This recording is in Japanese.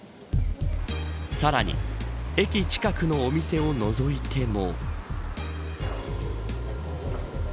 さらに駅近くのお店をのぞいても。